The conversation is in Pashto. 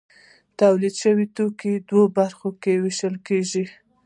تولید شوي توکي په دوو برخو ویشل کیږي.